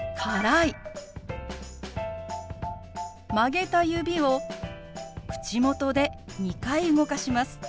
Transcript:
曲げた指を口元で２回動かします。